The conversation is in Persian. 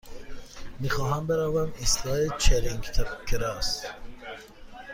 می خواهم بروم ایستگاه چرینگ کراس.